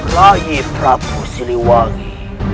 raih prabu siliwangi